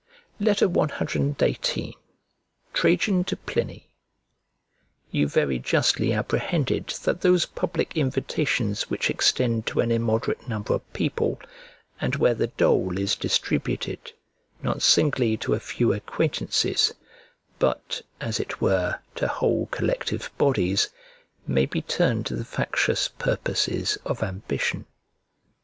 CXVIII TRAJAN TO PLINY You very justly apprehended that those public invitations which extend to an immoderate number of people, and where the dole is distributed, not singly to a few acquaintances, but, as it were, to whole collective bodies, may be turned to the factious purposes of ambition.